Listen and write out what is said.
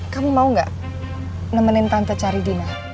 kamu mau gak nemenin tante cari dina